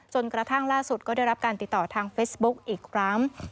จนกระทั่งล่าสุดก็ได้รับการติดต่อทางเฟซบุ๊กอีกครั้ง